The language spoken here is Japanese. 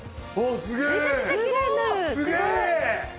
すげえ！